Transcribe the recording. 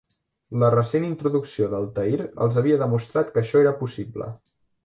La recent introducció d'Altair els havia demostrat que això era possible.